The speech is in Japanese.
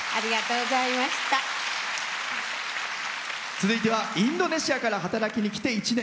続いてはインドネシアから働きに来て１年。